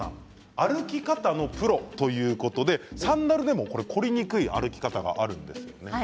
歩き方のプロということでサンダルでも凝りにくい歩き方があるそうですね。